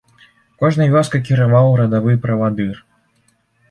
Кожнай вёскай кіраваў радавы правадыр.